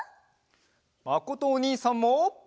まことおにいさんも！